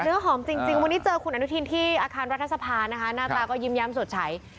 วันนี้เจอคุณอนุทินที่อาคารรัฐสะพานนะครับหน้าตาก็ยืมย่ำสดใส